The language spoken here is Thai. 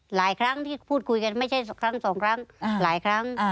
หลายครั้งที่พูดคุยกันไม่ใช่ครั้งสองครั้งหลายครั้ง